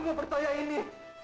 aku gak percaya ini